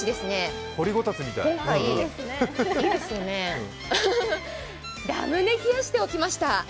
今回、ラムネを冷やしておきました